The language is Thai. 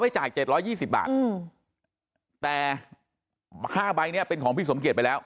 ไปจ่ายเจ็ดร้อยยี่สิบบาทอืมแต่ค่าใบนี้เป็นของพี่สมเกียจไปแล้ว